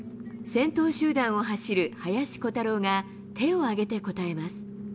先頭集団を走る林虎太朗が手を挙げて応えます。